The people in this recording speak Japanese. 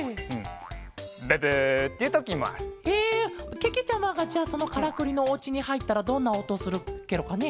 けけちゃまがじゃあそのカラクリのおうちにはいったらどんなおとするケロかね？